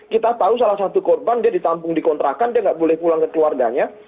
kita tahu salah satu korban dia ditampung di kontrakan dia nggak boleh pulang ke keluarganya